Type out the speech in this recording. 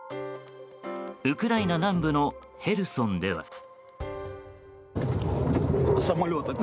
ウクライナ南部のヘルソンでは。